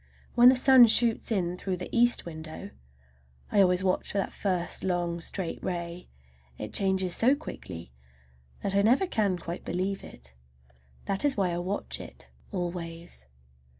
When the sun shoots in through the east window—I always watch for that first long, straight ray—it changes so quickly that I never can quite believe it. That is why I watch it always.